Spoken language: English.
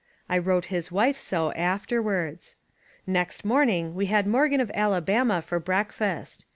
I wrote his wife so afterwards. Next morning we had Morgan of Alabama for breakfast.